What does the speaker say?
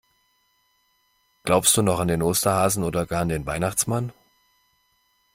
Glaubst du noch an den Osterhasen oder gar an den Weihnachtsmann?